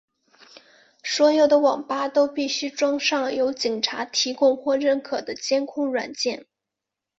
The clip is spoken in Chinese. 所有的网吧都必须装上由警察提供或认可的监控软件。